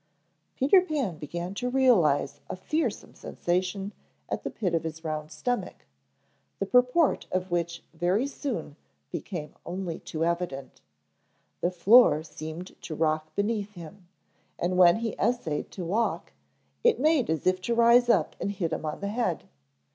Peter Pan began to realize a fearsome sensation at the pit of his round stomach, the purport of which very soon became only too evident. The floor seemed to rock beneath him, and when he essayed to walk, it made as if to rise up and hit him on the head.